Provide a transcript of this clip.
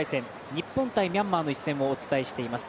日本×ミャンマーの一戦をお伝えしています。